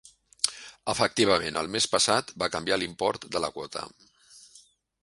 Efectivament, el mes passat va canviar l'import de la quota.